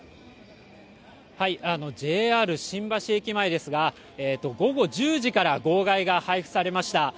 ＪＲ新橋駅前ですが午後１０時から号外が配布されました。